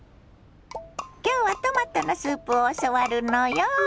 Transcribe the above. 今日はトマトのスープを教わるのよ。